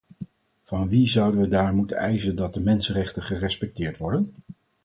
Van wie zouden we daar moeten eisen dat de mensenrechten gerespecteerd worden?